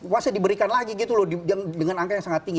pasti diberikan lagi gitu loh dengan angka yang sangat tinggi